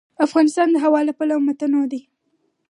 افغانستان د هوا له پلوه متنوع دی.